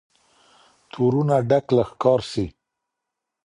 تورونه ډک له ښکار سي